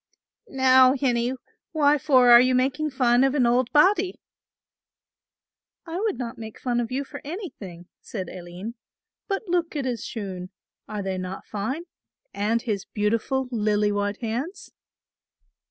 "Now, hinnie, why for are you making fun of an old body?" "I would not make fun of you for anything," said Aline; "but look at his shoon; are they not fine, and his beautiful lily white hands?"